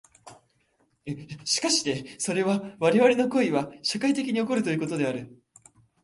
しかしてそれは我々の行為は社会的に起こるということである。